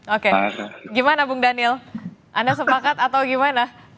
oke gimana bung daniel anda sepakat atau gimana